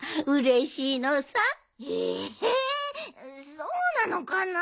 そうなのかな。